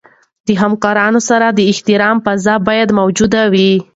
د همکارانو سره د احترام فضا باید موجوده وي.